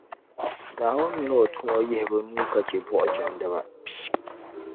Naawuni mini O tumo yihi bɛ nuu ka chɛ buɣujɛmdiba.